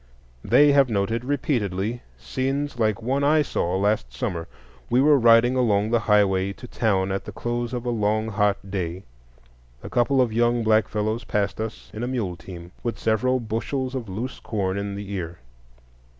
They have noted repeatedly scenes like one I saw last summer. We were riding along the highroad to town at the close of a long hot day. A couple of young black fellows passed us in a muleteam, with several bushels of loose corn in the ear.